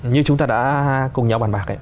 như chúng ta đã cùng nhau bàn bạc